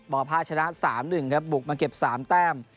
มภาคชนะสามหนึ่งครับบุกมาเก็บสามแต้ม